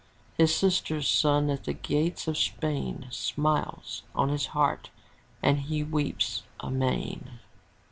His sister* s son at the gates of Spain Smites on his heart and he weeps amain.